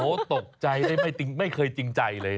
โอ้โหตกใจไม่เคยจริงใจเลย